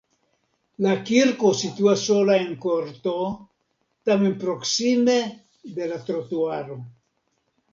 La kirko situas sola en korto, tamen proksime de la trotuaro.